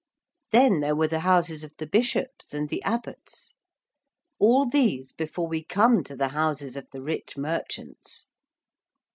Then there were the houses of the Bishops and the Abbots. All these before we come to the houses of the rich merchants.